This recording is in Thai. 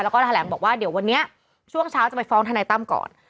แล้วก็แถลงบอกว่าเดี๋ยววันนี้ช่วงเช้าจะไปฟ้องทนายตั้มก่อน